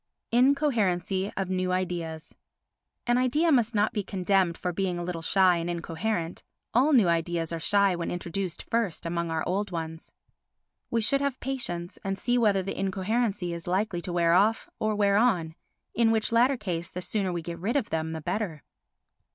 Incoherency of New Ideas An idea must not be condemned for being a little shy and incoherent; all new ideas are shy when introduced first among our old ones. We should have patience and see whether the incoherency is likely to wear off or to wear on, in which latter case the sooner we get rid of them the better.